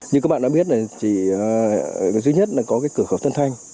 như các bạn đã biết dưới nhất là có cửa khẩu tân thanh